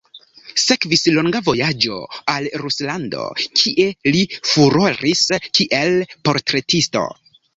Sekvis longa vojaĝo al Ruslando kie li furoris kiel portretisto.